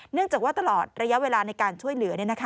เนื่องจากว่าตลอดระยะเวลาในการช่วยเหลือ